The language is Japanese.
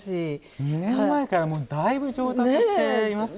２年前からだいぶ上達していますね。